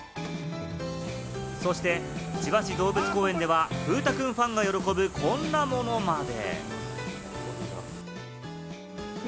そして千葉市動物公園では風太くんファンが喜ぶこんなものまで。